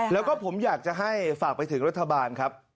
แล้วก็ผมอยากจะให้ฝากไปถึงรัฐบาลครับ